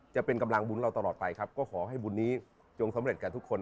จะเป็นกำลังบุญเราตลอดไปครับก็ขอให้บุญนี้จงสำเร็จกับทุกคน